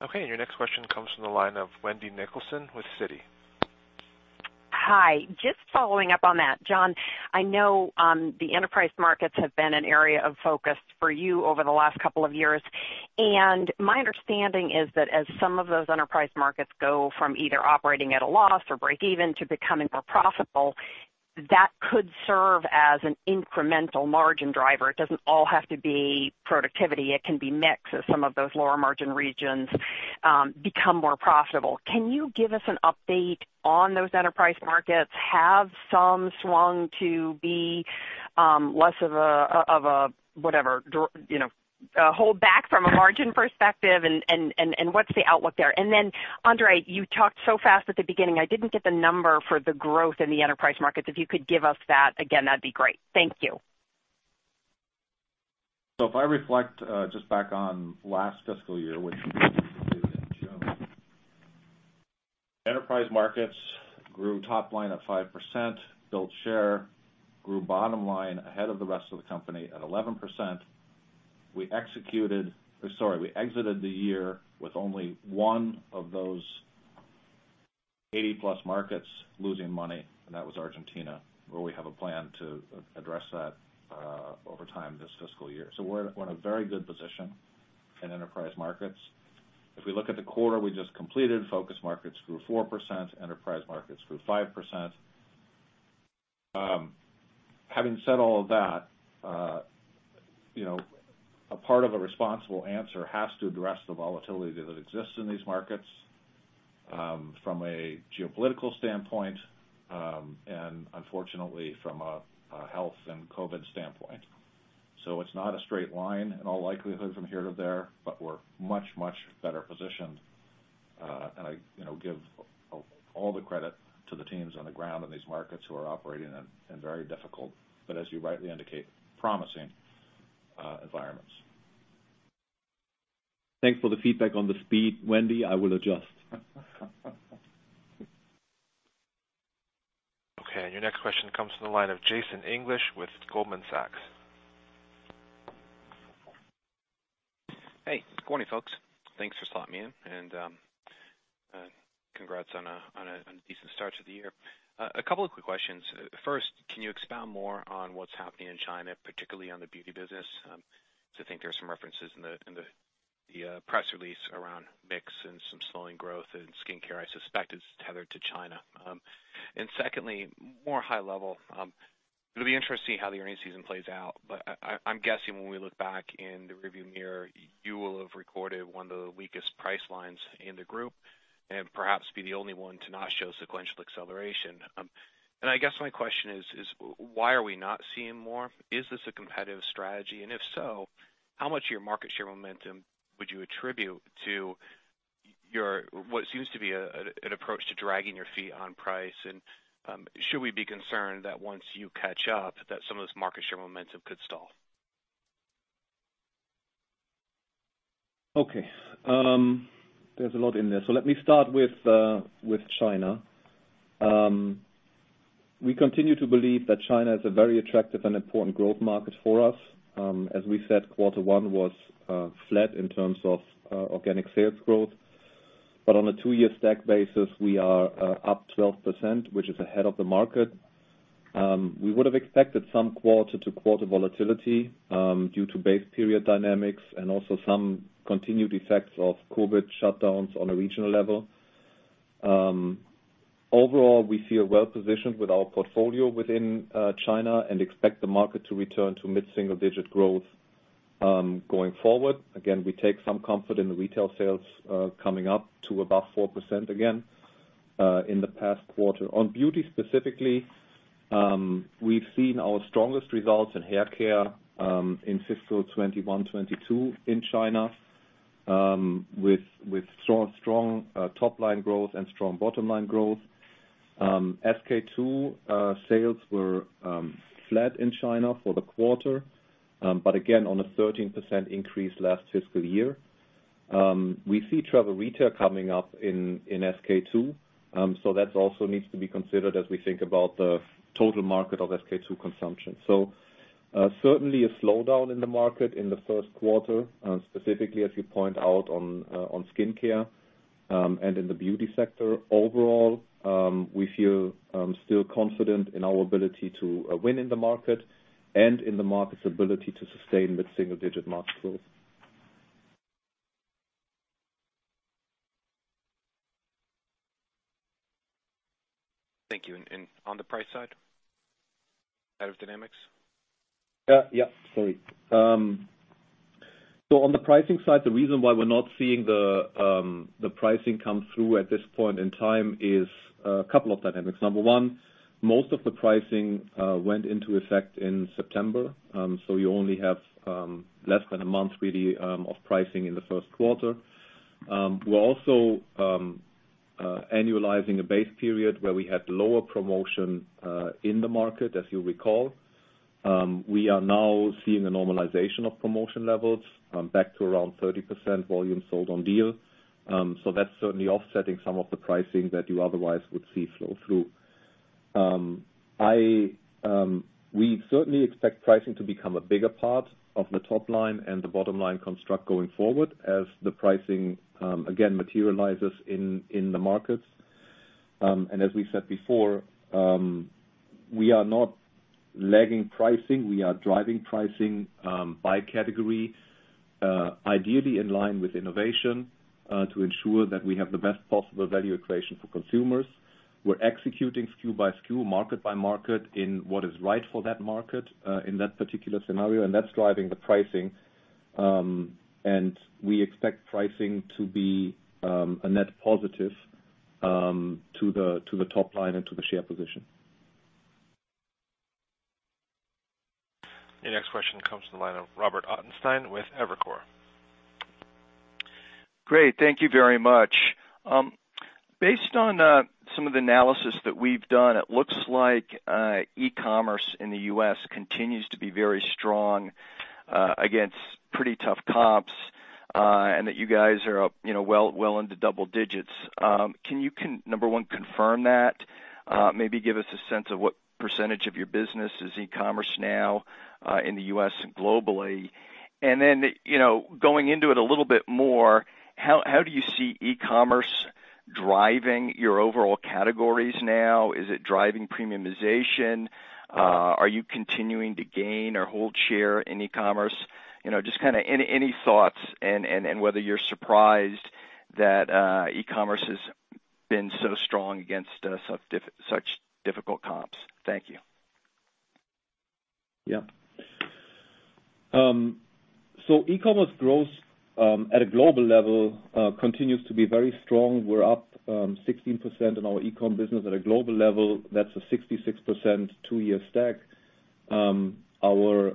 Okay. Your next question comes from the line of Wendy Nicholson with Citi. Hi. Just following up on that, Jon Chevalier, I know the enterprise markets have been an area of focus for you over the last couple of years, and my understanding is that as some of those enterprise markets go from either operating at a loss or breakeven to becoming more profitable, that could serve as an incremental margin driver. It doesn't all have to be productivity. It can be mix as some of those lower margin regions become more profitable. Can you give us an update on those enterprise markets? Have some swung to be less of a holdback from a margin perspective and what's the outlook there? Andre Schulten, you talked so fast at the beginning, I didn't get the number for the growth in the enterprise markets. If you could give us that again, that'd be great. Thank you. If I reflect just back on last fiscal year, which we used to do in June. Enterprise markets grew top line of 5%, built share, grew bottom line ahead of the rest of the company at 11%. We exited the year with only one of those 80+ markets losing money, and that was Argentina, where we have a plan to address that over time this fiscal year. We're in a very good position in enterprise markets. If we look at the quarter we just completed, focus markets grew 4%, enterprise markets grew 5%. Having said all of that, a part of a responsible answer has to address the volatility that exists in these markets, from a geopolitical standpoint, and unfortunately from a health and COVID standpoint. It's not a straight line in all likelihood from here to there, but we're much, much better positioned. I give all the credit to the teams on the ground in these markets who are operating in very difficult, but as you rightly indicate, promising, environments. Thanks for the feedback on the speed, Wendy. I will adjust. Okay. Your next question comes from the line of Jason English with Goldman Sachs. Hey, good morning, folks. Thanks for slotting me in and congrats on a decent start to the year. A couple of quick questions. First, can you expound more on what's happening in China, particularly on the beauty business? To think there are some references in the press release around mix and some slowing growth in skincare, I suspect it's tethered to China. Secondly, more high level. It'll be interesting how the earnings season plays out, but I'm guessing when we look back in the rearview mirror, you will have recorded one of the weakest price lines in the group and perhaps be the only one to not show sequential acceleration. I guess my question is why are we not seeing more? Is this a competitive strategy? If so, how much of your market share momentum would you attribute to what seems to be an approach to dragging your feet on price? Should we be concerned that once you catch up, that some of this market share momentum could stall? Okay. There's a lot in there. Let me start with China. We continue to believe that China is a very attractive and important growth market for us. As we said, quarter one was flat in terms of organic sales growth, but on a two-year stack basis, we are up 12%, which is ahead of the market. We would have expected some quarter-to-quarter volatility due to base period dynamics and also some continued effects of COVID shutdowns on a regional level. Overall, we feel well-positioned with our portfolio within China and expect the market to return to mid-single digit growth going forward. Again, we take some comfort in the retail sales coming up to above 4% again in the past quarter. On beauty specifically, we've seen our strongest results in hair care in fiscal 2021-2022 in China, with strong top-line growth and strong bottom-line growth. SK-II sales were flat in China for the quarter. Again, on a 13% increase last fiscal year. We see travel retail coming up in SK-II. That also needs to be considered as we think about the total market of SK-II consumption. Certainly a slowdown in the market in the first quarter, specifically as you point out on skincare, and in the beauty sector. Overall, we feel still confident in our ability to win in the market and in the market's ability to sustain with single-digit market growth. Thank you. On the price side? Out of dynamics? Yeah. Sorry. On the pricing side, the reason why we're not seeing the pricing come through at this point in time is a couple of dynamics. Number one, most of the pricing went into effect in September. You only have less than one month, really, of pricing in the first quarter. We're also annualizing a base period where we had lower promotion in the market, as you recall. We are now seeing a normalization of promotion levels back to around 30% volume sold on deal. That's certainly offsetting some of the pricing that you otherwise would see flow through. We certainly expect pricing to become a bigger part of the top line and the bottom line construct going forward as the pricing, again, materializes in the markets. As we said before, we are not lagging pricing. We are driving pricing, by category, ideally in line with innovation, to ensure that we have the best possible value equation for consumers. We're executing SKU by SKU, market by market, in what is right for that market, in that particular scenario, that's driving the pricing. We expect pricing to be a net positive to the top line and to the share position. Your next question comes to the line of Robert Ottenstein with Evercore. Great. Thank you very much. Based on some of the analysis that we've done, it looks like e-commerce in the U.S. continues to be very strong, against pretty tough comps, and that you guys are well into double digits. Can you, number one, confirm that? Maybe give us a sense of what percentage of your business is e-commerce now, in the U.S. and globally. Going into it a little bit more, how do you see e-commerce driving your overall categories now? Is it driving premiumization? Are you continuing to gain or hold share in e-commerce? Just any thoughts and whether you're surprised that e-commerce has been so strong against such difficult comps. Thank you. E-commerce growth at a global level continues to be very strong. We're up 16% in our e-com business at a global level. That's a 66% two year stack. Our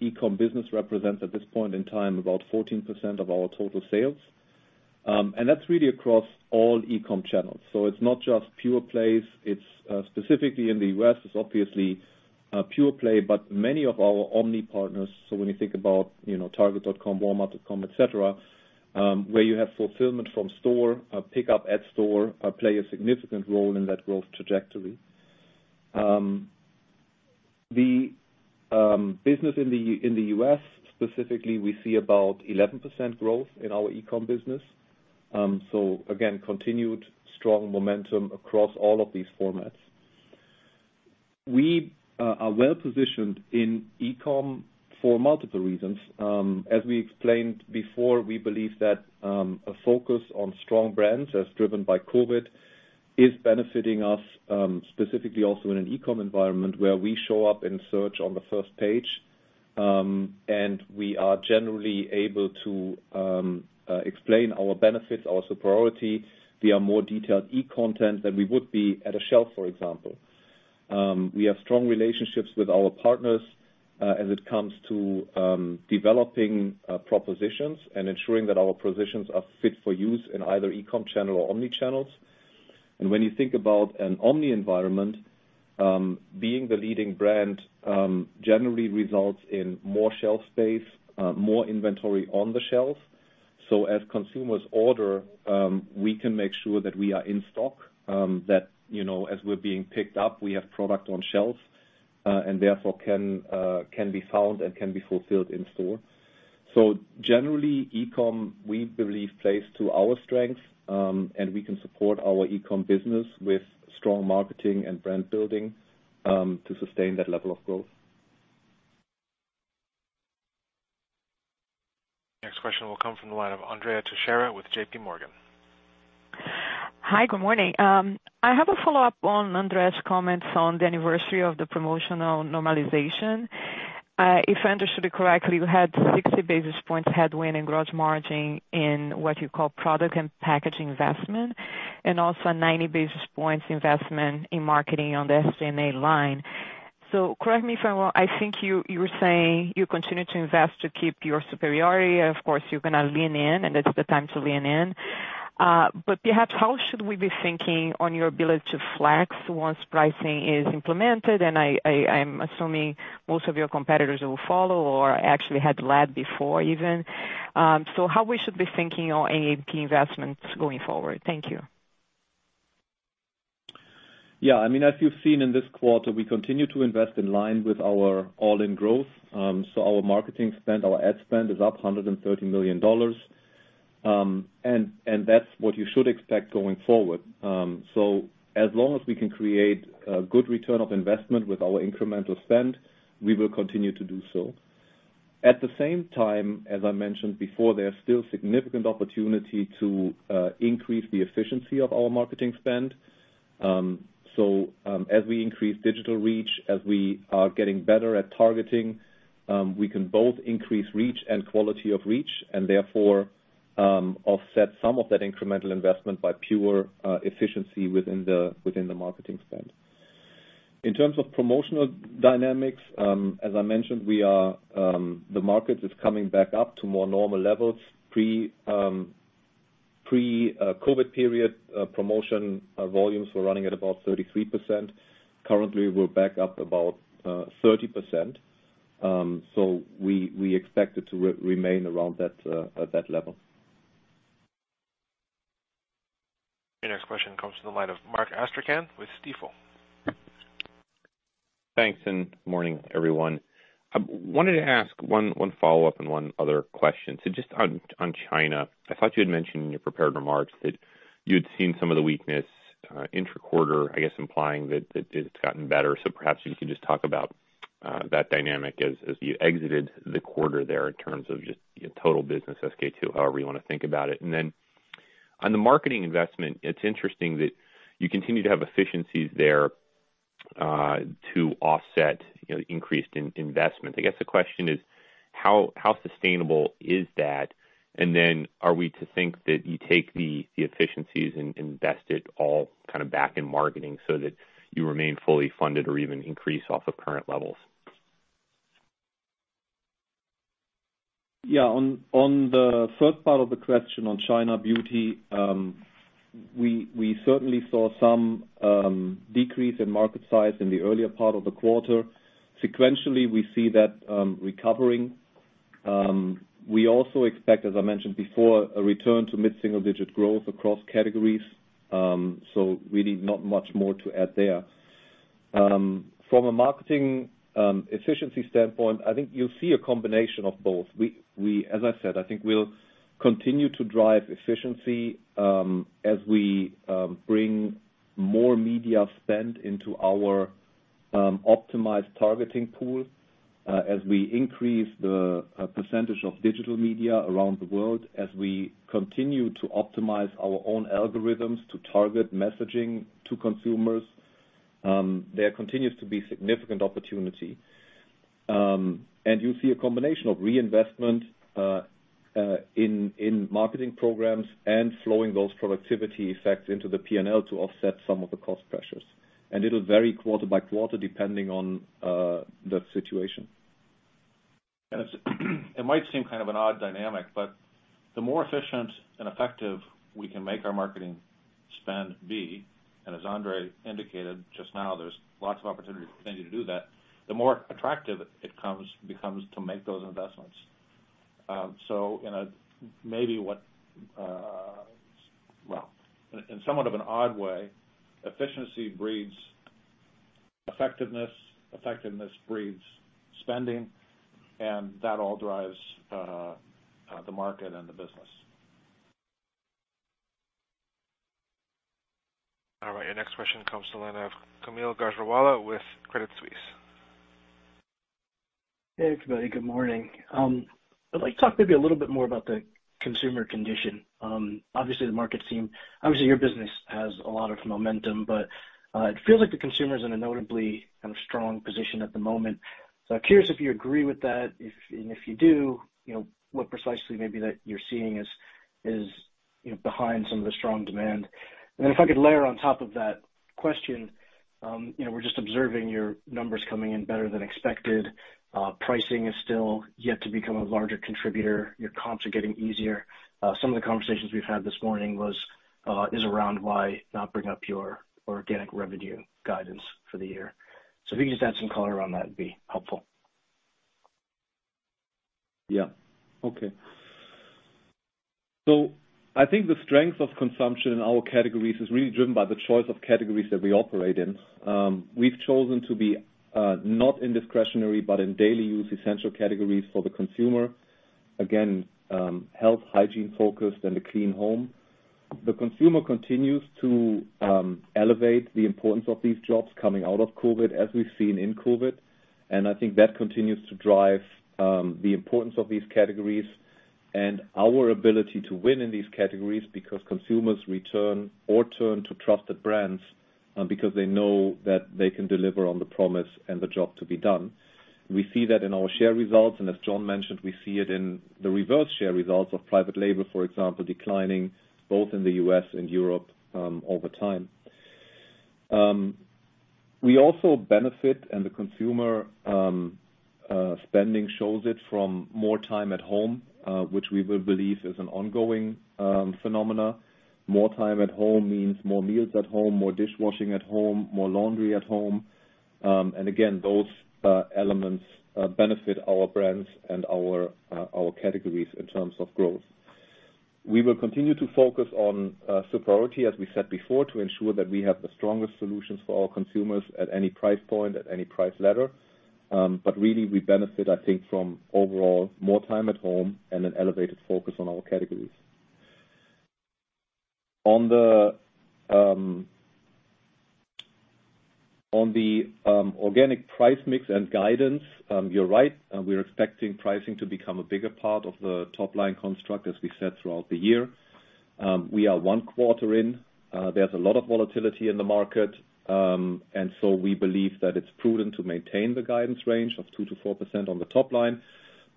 e-com business represents, at this point in time, about 14% of our total sales. That's really across all e-com channels. It's not just pure plays. Specifically in the U.S., it's obviously a pure play, but many of our omni partners, so when you think about target.com, walmart.com, et cetera, where you have fulfillment from store, pickup at store, play a significant role in that growth trajectory. The business in the U.S. specifically, we see about 11% growth in our e-com business. Again, continued strong momentum across all of these formats. We are well-positioned in e-com for multiple reasons. As we explained before, we believe that a focus on strong brands, as driven by COVID, is benefiting us, specifically also in an e-com environment where we show up in search on the first page. We are generally able to explain our benefits, our superiority, via more detailed e-content than we would be at a shelf, for example. We have strong relationships with our partners as it comes to developing propositions and ensuring that our propositions are fit for use in either e-com channel or omnichannels. When you think about an omni environment, being the leading brand generally results in more shelf space, more inventory on the shelf. As consumers order, we can make sure that we are in stock, that as we're being picked up, we have product on shelves, and therefore can be found and can be fulfilled in store. Generally, e-com, we believe, plays to our strength, and we can support our e-com business with strong marketing and brand building to sustain that level of growth. Next question will come from the line of Andrea Teixeira with JPMorgan. Hi, good morning. I have a follow-up on Andre's comments on the anniversary of the promotional normalization. If I understood it correctly, you had 60 basis points headwind in gross margin in what you call product and packaging investment, and also 90 basis points investment in marketing on the SG&A line. Correct me if I'm wrong. I think you were saying you continue to invest to keep your superiority. Of course, you're going to lean in, and it's the time to lean in. Perhaps how should we be thinking on your ability to flex once pricing is implemented? I'm assuming most of your competitors will follow or actually had led before, even. How we should be thinking on A&P investments going forward? Thank you. Yeah. As you've seen in this quarter, we continue to invest in line with our all-in growth. Our marketing spend, our ad spend is up $130 million. That's what you should expect going forward. As long as we can create a good return on investment with our incremental spend, we will continue to do so. At the same time, as I mentioned before, there are still significant opportunity to increase the efficiency of our marketing spend. As we increase digital reach, as we are getting better at targeting, we can both increase reach and quality of reach, and therefore, offset some of that incremental investment by pure efficiency within the marketing spend. In terms of promotional dynamics, as I mentioned, the market is coming back up to more normal levels. Pre-COVID period, promotion volumes were running at about 33%. Currently, we're back up about 30%. We expect it to remain around at that level. Your next question comes from the line of Mark Astrachan with Stifel. Thanks. Morning everyone. I wanted to ask one follow-up and one other question. Just on China, I thought you had mentioned in your prepared remarks that you had seen some of the weakness, inter-quarter, I guess implying that it's gotten better. Perhaps you can just talk about that dynamic as you exited the quarter there in terms of just your total business, SK-II, however you want to think about it. On the marketing investment, it's interesting that you continue to have efficiencies there to offset increased investment. I guess the question is how sustainable is that? Are we to think that you take the efficiencies and invest it all back in marketing so that you remain fully funded or even increase off of current levels? Yeah, on the first part of the question on China beauty, we certainly saw some decrease in market size in the earlier part of the quarter. Sequentially, we see that recovering. We also expect, as I mentioned before, a return to mid-single-digit growth across categories. Really not much more to add there. From a marketing efficiency standpoint, I think you'll see a combination of both. As I said, I think we'll continue to drive efficiency as we bring more media spend into our optimized targeting pool, as we increase the percentage of digital media around the world, as we continue to optimize our own algorithms to target messaging to consumers. There continues to be significant opportunity. You'll see a combination of reinvestment in marketing programs and flowing those productivity effects into the P&L to offset some of the cost pressures. It'll vary quarter by quarter depending on the situation. It might seem kind of an odd dynamic, but the more efficient and effective we can make our marketing spend be, and as Andre indicated just now, there's lots of opportunity for spending to do that, the more attractive it becomes to make those investments. Maybe, well, in somewhat of an odd way, efficiency breeds effectiveness breeds spending, and that all drives the market and the business. All right. Your next question comes to line of Kaumil Gajrawala with Credit Suisse. Hey, everybody. Good morning. I'd like to talk maybe a little bit more about the consumer condition. Obviously, your business has a lot of momentum, but it feels like the consumer is in a notably strong position at the moment. I'm curious if you agree with that. If you do, what precisely maybe that you're seeing is behind some of the strong demand. If I could layer on top of that question, we're just observing your numbers coming in better than expected. Pricing is still yet to become a larger contributor. Your comps are getting easier. Some of the conversations we've had this morning is around why not bring up your organic revenue guidance for the year. If you could just add some color around that, it'd be helpful. Yeah. Okay. I think the strength of consumption in our categories is really driven by the choice of categories that we operate in. We've chosen to be not in discretionary, but in daily use essential categories for the consumer. Again, health, hygiene-focused and a clean home. The consumer continues to elevate the importance of these jobs coming out of COVID, as we've seen in COVID. I think that continues to drive the importance of these categories and our ability to win in these categories because consumers return or turn to trusted brands because they know that they can deliver on the promise and the job to be done. We see that in our share results. As Jon mentioned, we see it in the reverse share results of private label, for example, declining both in the U.S. and Europe over time. We also benefit, the consumer spending shows it from more time at home, which we will believe is an ongoing phenomena. More time at home means more meals at home, more dishwashing at home, more laundry at home. Again, those elements benefit our brands and our categories in terms of growth. We will continue to focus on superiority, as we said before, to ensure that we have the strongest solutions for our consumers at any price point, at any price ladder. Really we benefit, I think, from overall more time at home and an elevated focus on our categories. On the organic price mix and guidance, you're right. We're expecting pricing to become a bigger part of the top-line construct, as we said throughout the year. We are one quarter in. There's a lot of volatility in the market. We believe that it's prudent to maintain the guidance range of 2%-4% on the top line.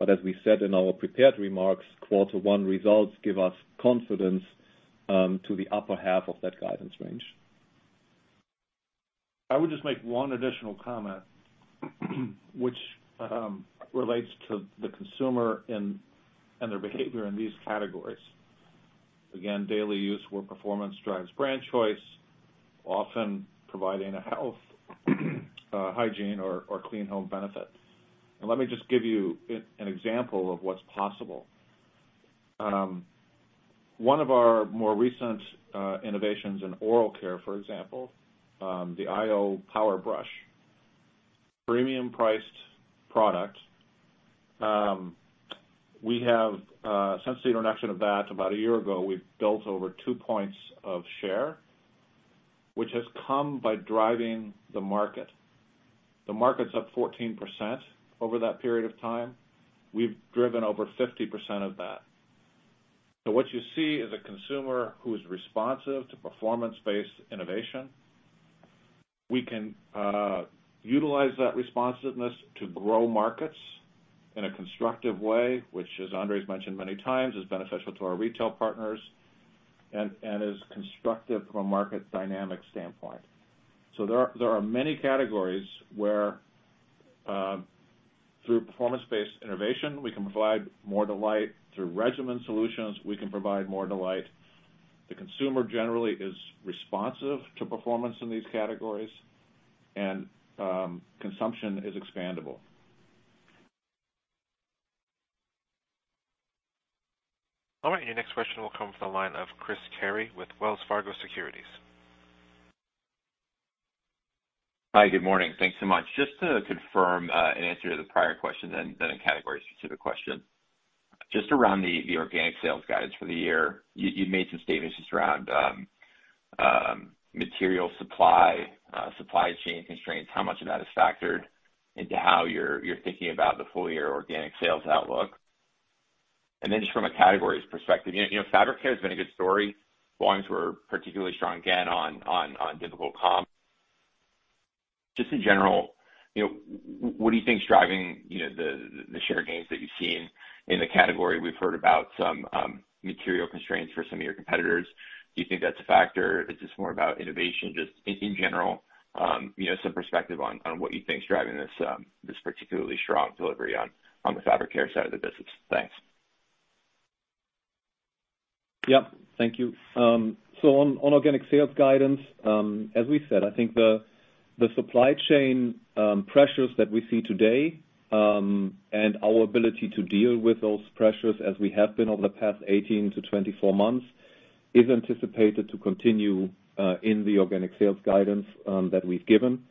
As we said in our prepared remarks, quarter one results give us confidence to the upper half of that guidance range. I would just make one additional comment, which relates to the consumer and their behavior in these categories. Again, daily use where performance drives brand choice, often providing a health, hygiene or clean home benefit. Let me just give you an example of what's possible. One of our more recent innovations in oral care, for example, the iO Power Brush. Premium-priced product. Since the introduction of that about a year ago, we've built over two points of share, which has come by driving the market. The market's up 14% over that period of time. We've driven over 50% of that. What you see is a consumer who's responsive to performance-based innovation. We can utilize that responsiveness to grow markets in a constructive way, which as Andre's mentioned many times, is beneficial to our retail partners and is constructive from a market dynamic standpoint. There are many categories where, through performance-based innovation, we can provide more delight. Through regimen solutions, we can provide more delight. The consumer generally is responsive to performance in these categories, and consumption is expandable. All right. Your next question will come from the line of Chris Carey with Wells Fargo Securities. Hi, good morning. Thanks so much. Just to confirm an answer to the prior question and then a category-specific question. Just around the organic sales guidance for the year. You made some statements just around material supply chain constraints, how much of that is factored into how you're thinking about the full-year organic sales outlook. Just from a categories perspective, fabric care has been a good story. Volumes were particularly strong again on difficult comp. Just in general, what do you think is driving the share gains that you've seen in the category? We've heard about some material constraints for some of your competitors. Do you think that's a factor? Is this more about innovation? Just in general, some perspective on what you think is driving this particularly strong delivery on the fabric care side of the business. Thanks. Yeah. Thank you. On organic sales guidance, as we said, I think the supply chain pressures that we see today, and our ability to deal with those pressures as we have been over the past 18 to 24 months, is anticipated to continue in the organic sales guidance that we've given.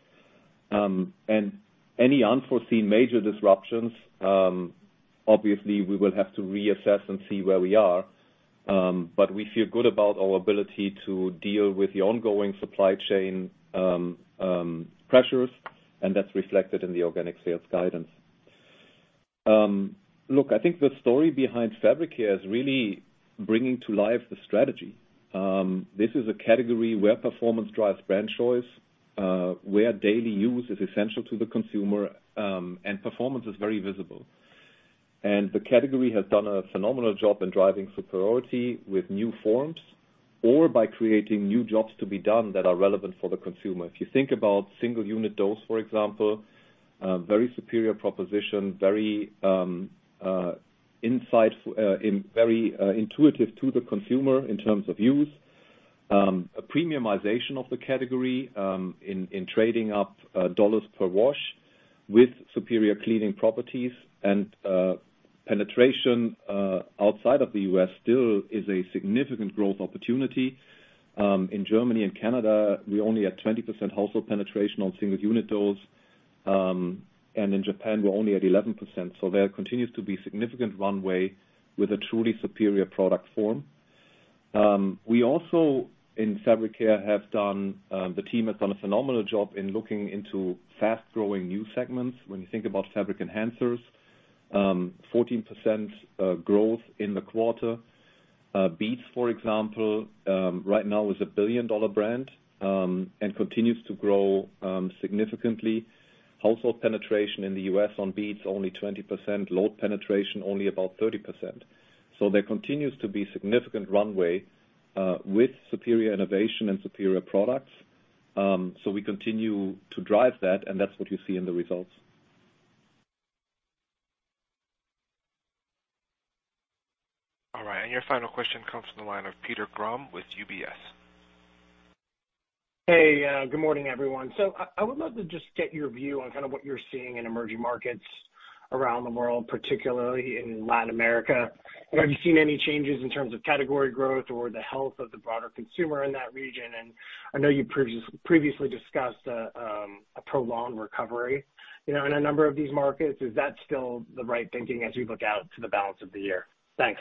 Any unforeseen major disruptions, obviously, we will have to reassess and see where we are. We feel good about our ability to deal with the ongoing supply chain pressures, and that's reflected in the organic sales guidance. Look, I think the story behind fabric care is really bringing to life the strategy. This is a category where performance drives brand choice, where daily use is essential to the consumer, and performance is very visible. The category has done a phenomenal job in driving superiority with new forms or by creating new jobs to be done that are relevant for the consumer. If you think about single unit dose, for example, very superior proposition, very intuitive to the consumer in terms of use. A premiumization of the category, in trading up dollars per wash with superior cleaning properties. Penetration outside of the U.S. still is a significant growth opportunity. In Germany and Canada, we only had 20% household penetration on single unit dose. In Japan, we're only at 11%. There continues to be significant runway with a truly superior product form. We also, in fabric care, the team has done a phenomenal job in looking into fast-growing new segments. When you think about fabric enhancers, 14% growth in the quarter. Beads, for example, right now is a billion-dollar brand, and continues to grow significantly. Household penetration in the U.S. on beads, only 20%. Load penetration only about 30%. There continues to be significant runway with superior innovation and superior products. We continue to drive that, and that's what you see in the results. All right. Your final question comes from the line of Peter Grom with UBS. Hey, good morning, everyone. I would love to just get your view on what you're seeing in emerging markets around the world, particularly in Latin America. Have you seen any changes in terms of category growth or the health of the broader consumer in that region? I know you previously discussed a prolonged recovery in a number of these markets. Is that still the right thinking as we look out to the balance of the year? Thanks.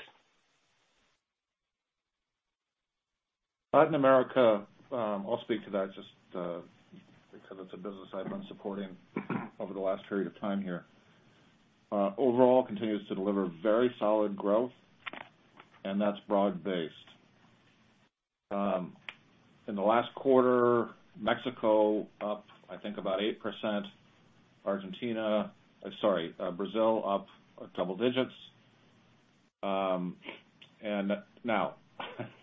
Latin America, I'll speak to that just because it's a business I've been supporting over the last period of time here. Overall, continues to deliver very solid growth, and that's broad-based. In the last quarter, Mexico up, I think about 8%, Brazil up double digits. Now,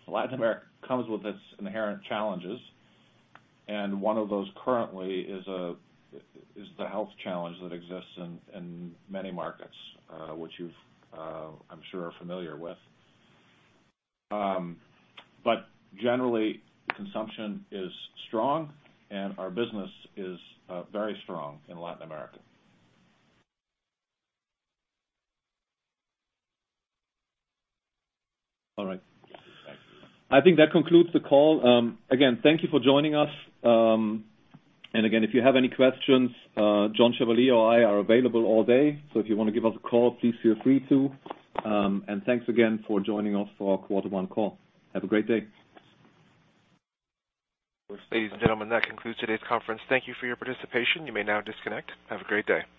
Latin America comes with its inherent challenges, and one of those currently is the health challenge that exists in many markets, which you've, I'm sure, are familiar with. Generally, consumption is strong, and our business is very strong in Latin America. All right. Yeah. Thanks. I think that concludes the call. Again, thank you for joining us. Again, if you have any questions, John Chevalier or I are available all day. If you want to give us a call, please feel free to. Thanks again for joining us for our quarter one call. Have a great day. Ladies and gentlemen, that concludes today's conference. Thank you for your participation. You may now disconnect. Have a great day.